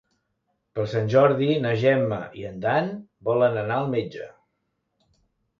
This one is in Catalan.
Per Sant Jordi na Gemma i en Dan volen anar al metge.